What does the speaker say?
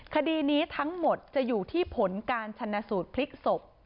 คดีนี้ทั้งหมดจะอยู่ที่ผลการชนะสูตรพลิกศพ